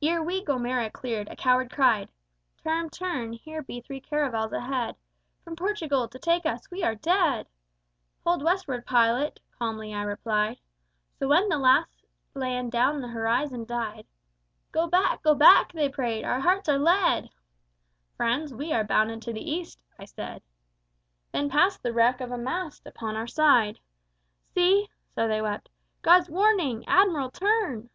"Ere we Gomera cleared, a coward cried, Turn, turn: here be three caravels ahead, From Portugal, to take us: we are dead! Hold Westward, pilot, calmly I replied. So when the last land down the horizon died, Go back, go back! they prayed: our hearts are lead. Friends, we are bound into the West, I said. Then passed the wreck of a mast upon our side. See (so they wept) _God's Warning! Admiral, turn!